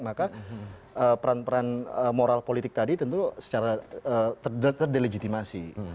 maka peran peran moral politik tadi tentu secara terdelegitimasi